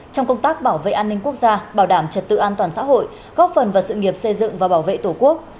trong công tác bảo vệ an ninh quốc gia bảo đảm trật tự an toàn xã hội góp phần vào sự nghiệp xây dựng và bảo vệ tổ quốc